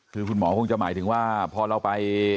คือคุณหมอคงจะหมายถึงว่าพอเราไป